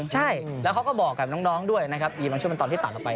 ใช่แล้วเขาก็บอกกับน้องด้วยนะครับยีบังชุมันตอนที่ต่ำลงไป